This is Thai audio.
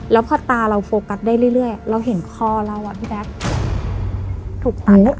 แล้วพอตาเราโฟกัสได้เรื่อยเราเห็นคอเราอ่ะพี่แจ๊คถูกตัด